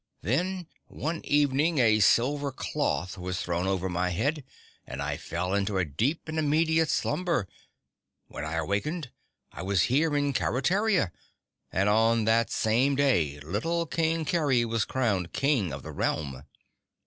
Then one evening a silver cloth was thrown over my head and I fell into a deep and immediate slumber. When I awakened, I was here in Keretaria and on that same day little King Kerry was crowned King of the Realm.